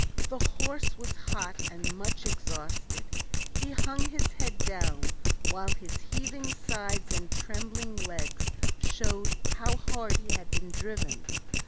The horse was hot and much exhausted; he hung his head down, while his heaving sides and trembling legs showed how hard he had been driven.